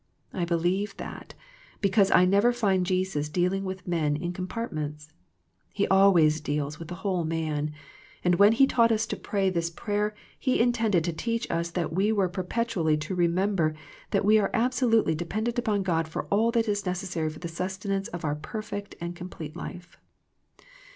I believe that, because I never find Jesus dealing with men in compartments. He always dealt with the whole man, and when He taught us to pray this prayer He intended to teach us that we were perpetually to remember that we are absolutely dependent upon God for all that is necessary for the sustenance of our perfect and complete life.